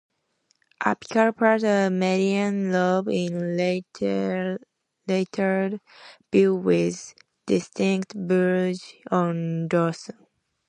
Apical part of median lobe in lateral view with distinct bulge on dorsum.